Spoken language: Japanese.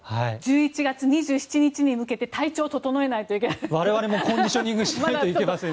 １１月２７日に向けて体調を整えないといけない。